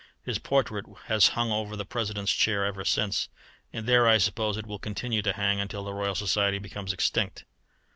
His portrait has hung over the President's chair ever since, and there I suppose it will continue to hang until the Royal Society becomes extinct.